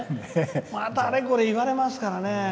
また、あれこれ言われますからね。